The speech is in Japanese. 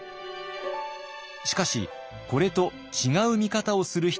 しかしこれと違う見方をする人がいます。